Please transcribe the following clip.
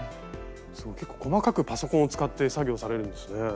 すごい結構細かくパソコンを使って作業されるんですね。